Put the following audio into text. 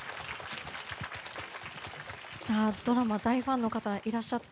ドラマ大ファンの方いらっしゃって。